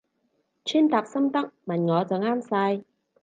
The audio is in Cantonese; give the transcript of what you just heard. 穿搭心得問我就啱晒